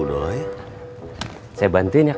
saya bantuin ya